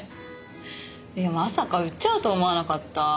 いやまさか売っちゃうと思わなかった。